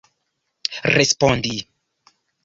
respondi